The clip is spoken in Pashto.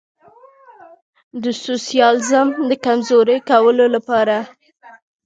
د سوسیالیزم د کمزوري کولو لپاره.